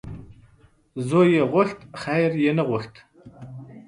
زوی یې غوښت خیر یې نه غوښت .